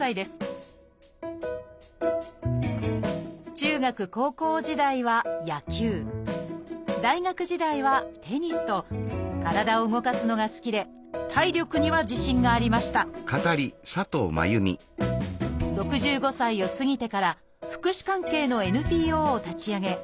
中学高校時代は野球大学時代はテニスと体を動かすのが好きで体力には自信がありました６５歳を過ぎてから福祉関係のＮＰＯを立ち上げ